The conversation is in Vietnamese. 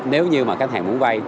nếu như mà khách hàng muốn vay